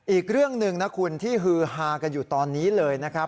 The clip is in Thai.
อีกเรื่องหนึ่งนะคุณที่ฮือฮากันอยู่ตอนนี้เลยนะครับ